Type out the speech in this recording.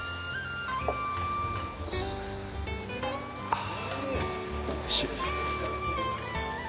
あぁおいしい！